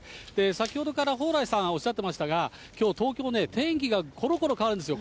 先ほどから蓬莱さんおっしゃっていましたが、きょう、東京ね、天気がころころ変わるんですよ。